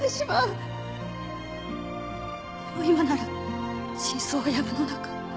でも今なら真相はやぶの中